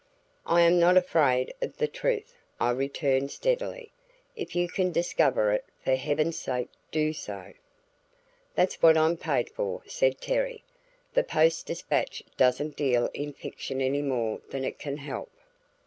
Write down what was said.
"I am not afraid of the truth," I returned steadily. "If you can discover it, for Heaven's sake do so!" "That's what I'm paid for," said Terry. "The Post Dispatch doesn't deal in fiction any more than it can help."